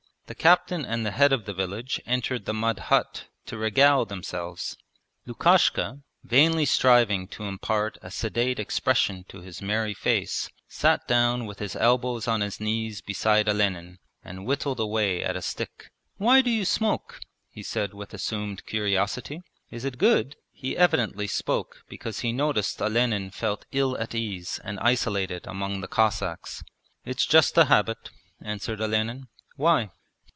The captain and the head of the village entered the mud hut to regale themselves. Lukashka, vainly striving to impart a sedate expression to his merry face, sat down with his elbows on his knees beside Olenin and whittled away at a stick. 'Why do you smoke?' he said with assumed curiosity. 'Is it good?' He evidently spoke because he noticed Olenin felt ill at ease and isolated among the Cossacks. 'It's just a habit,' answered Olenin. 'Why?'